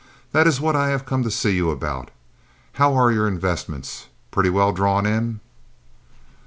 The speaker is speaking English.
That is what I have come to see you about. How are your investments? Pretty well drawn in?"